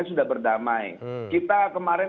sudah berdamai kita kemarin